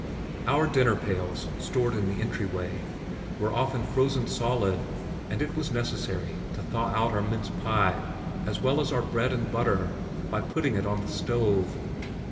Our dinner pails (stored in the entry way) were often frozen solid and it was necessary to thaw out our mince pie as well as our bread and butter by putting it on the stove.